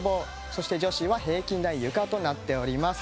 そして女子は平均台、ゆかとなっております。